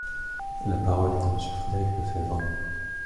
La parole est à Monsieur Frédéric Lefebvre.